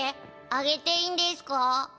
あげていいんですか？